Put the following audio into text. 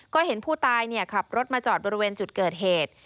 ก็เห็นผู้ตายขับรถมาจอดบริเวณจุดเกิดเหตุ